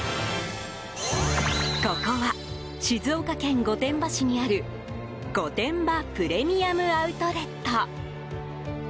ここは静岡県御殿場市にある御殿場プレミアム・アウトレット。